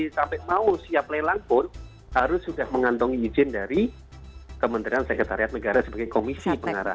sampai mau siap lelang pun harus sudah mengantongi izin dari kementerian sekretariat negara sebagai komisi pengarah